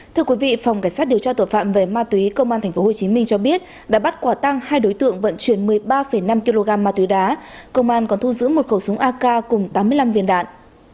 thưa quý vị phòng cảnh sát điều tra tội phạm về ma túy công an tp hcm cho biết đã bắt quả tăng hai đối tượng vận chuyển một mươi ba năm kg ma túy đá công an còn thu giữ một khẩu súng ak cùng tám mươi năm viên đạn